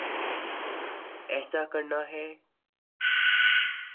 ایسا کرنا ہے۔